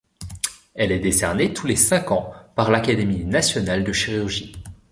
Elle est décernée tous les cinq ans par l'Académie nationale de chirurgie.